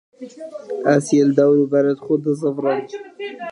Ez li derdora xwe dizîvirim.